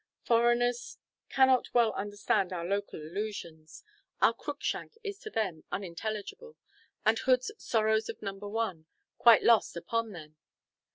Foreigners cannot well understand our local allusions; our Cruikshank is to them unintelligible, and Hood's "Sorrows of Number One" quite lost upon them.